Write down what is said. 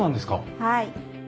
はい。